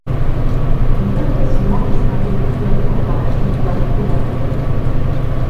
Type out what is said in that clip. On peut facilement distinguer plusieurs temps dans la filmographie de l'acteur.